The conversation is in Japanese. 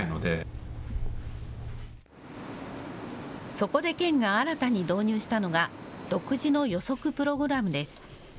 そこで、県が新たに導入したのが独自の予測プログラムです。